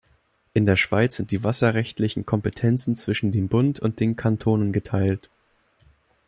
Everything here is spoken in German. In der Schweiz sind die wasserrechtlichen Kompetenzen zwischen dem Bund und den Kantonen geteilt.